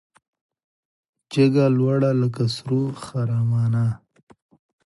جګه لوړه لکه سرو خرامانه